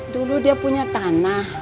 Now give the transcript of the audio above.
dulu dia punya tanah